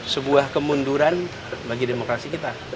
sebuah kemunduran bagi demokrasi kita